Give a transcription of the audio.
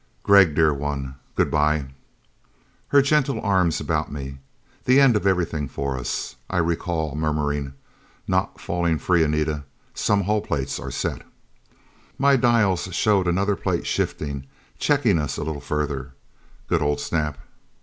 "Gregg, dear one good bye." Her gentle arms about me. The end of everything for us. I recall murmuring, "Not falling free, Anita. Some hull plates are set." My dials showed another plate shifting, checking us a little further. Good old Snap!